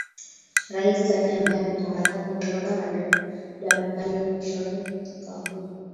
rais saleh ambaye ametangaza kuondoka madarakani mwishoni mwaka huu